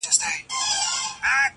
د ورځې ماته د جنت په نيت بمونه ښخ کړي_